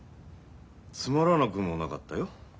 つまらなくもなかったよ。